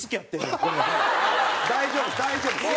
大丈夫大丈夫です。